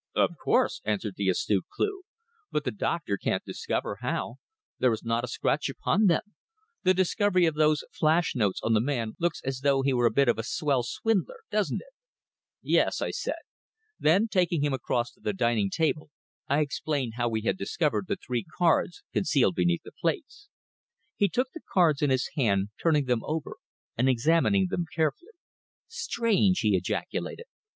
"Of course," answered the astute Cleugh. "But the doctor can't discover how. There is not a scratch upon them. The discovery of those flash notes on the man looks as though he were a bit of a swell swindler, doesn't it?" "Yes," I said. Then taking him across to the dining table I explained how we had discovered the three cards concealed beneath the plates. He took the cards in his hand, turning them over, and examining them carefully. "Strange," he ejaculated.